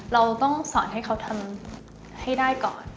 เราต้องสอนให้เขาทำให้ได้ก่อน